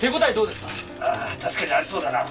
ああ確かにありそうだな。